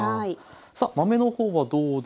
さあ豆の方はどうでしょうか？